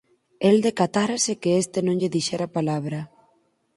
El decatárase que este non lle dixera palabra.